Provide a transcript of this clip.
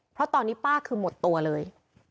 เพราะตอนนี้ป้าคือหมดตัวเลย